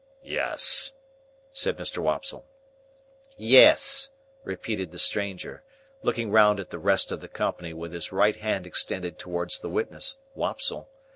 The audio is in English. "Yes," said Mr. Wopsle. "Yes," repeated the stranger, looking round at the rest of the company with his right hand extended towards the witness, Wopsle.